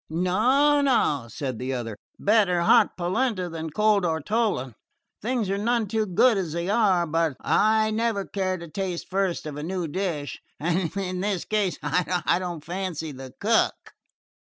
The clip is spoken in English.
"No, no," said the other. "Better hot polenta than a cold ortolan. Things are none too good as they are, but I never care to taste first of a new dish. And in this case I don't fancy the cook."